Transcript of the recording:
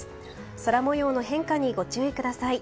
空模様の変化にご注意ください。